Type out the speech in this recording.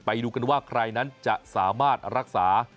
ไปดูกันว่าใครนั้นจะสามารถรักษา